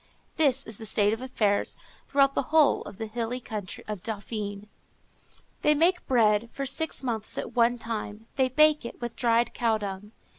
That is the state of affairs throughout the whole of the hilly country of Dauphiné. They make bread for six months at one time; they bake it with dried cow dung.